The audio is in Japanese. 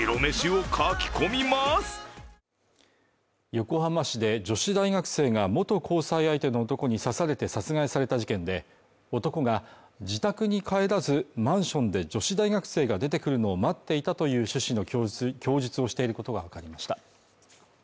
横浜市で女子大学生が元交際相手の男に刺されて殺害された事件で、男が自宅に帰らず、マンションで女子大学生が出てくるのを待っていたという趣旨の供述をしていることがわかりました。